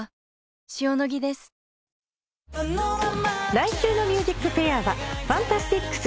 来週の『ＭＵＳＩＣＦＡＩＲ』はＦＡＮＴＡＳＴＩＣＳ。